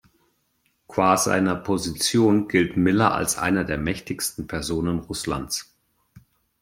Qua seiner Position gilt Miller als einer der mächtigsten Personen Russlands.